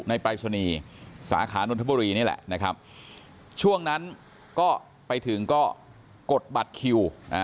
ปรายศนีย์สาขานนทบุรีนี่แหละนะครับช่วงนั้นก็ไปถึงก็กดบัตรคิว